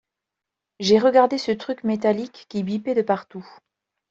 J’ai regardé ce truc métallique qui bipait de partout.